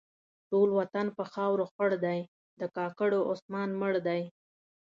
ټول وطن په خاورو خړ دی؛ د کاکړو عثمان مړ دی.